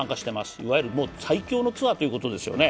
いわゆる最強のツアーということですよね。